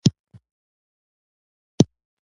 دا ټولنه د اغلې مریم درانۍ تر مشرۍ لاندې ده.